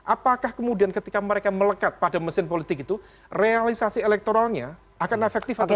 apakah kemudian ketika mereka melekat pada mesin politik itu realisasi elektoralnya akan efektif atau tidak